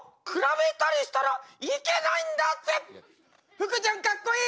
ふくちゃんかっこいい！